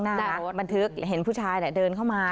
กล้องหน้ามาทึกเห็นผู้ชายเดินเข้ามา